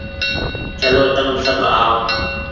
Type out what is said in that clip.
چلو تم سب آئو۔